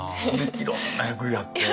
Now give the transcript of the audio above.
いろんな役やって。